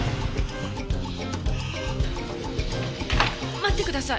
待ってください。